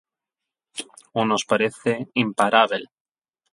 Ou nos parece imparábel.